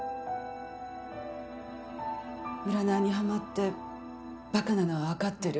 占いにはまってバカなのは分かってる。